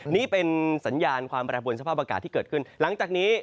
นี้เป็นสัญญาณความแบรนด์บนสภาพอากาศที่เกิดขึ้น